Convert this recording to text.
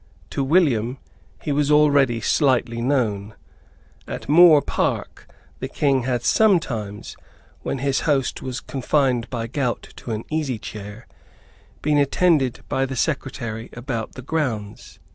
To William he was already slightly known. At Moor Park the King had sometimes, when his host was confined by gout to an easy chair, been attended by the secretary about the grounds.